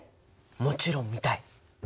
もちろん見たい！